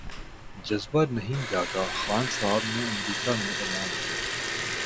جذبہ نہیں جاگا خان صاحب نے امریکہ میں اعلان